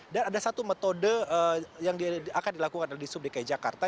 dan ada satu metode yang akan dilakukan dari dinas perhubungan dki jakarta